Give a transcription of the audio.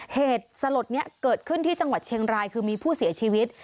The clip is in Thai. เหตุสลดเกิดขึ้นที่เชียงรายคือมีผู้เสียชีวิต